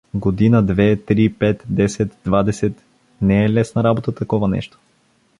Година, две, три, пет, десет, двадесет… Не е лесна работа такова нещо.